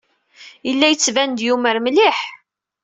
Yella yettban-d yumer mliḥ.